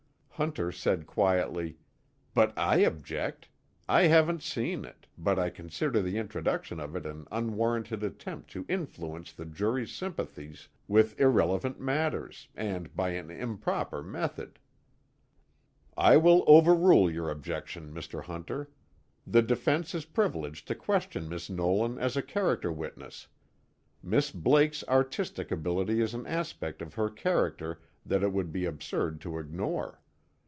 Hunter said quietly: "But I object. I haven't seen it, but I consider the introduction of it an unwarranted attempt to influence the jury's sympathies with irrelevant matters, and by an improper method." "I will overrule your objection, Mr. Hunter. The defense is privileged to question Miss Nolan as a character witness. Miss Blake's artistic ability is an aspect of her character that it would be absurd to ignore.